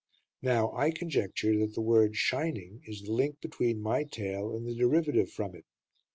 Now I conjecture that the word "shining" is the link between my tale and the derivative from it.